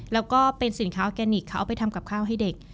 แล้วก็เป็นสินค้าออร์แกนิคเขาเอาไปทำกับข้าวให้เด็ก